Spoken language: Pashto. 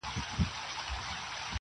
زما كيسه به ښايي نه وي د منلو٫